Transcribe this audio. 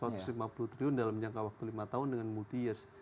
rp satu ratus lima puluh triliun dalam jangka waktu lima tahun dengan multi years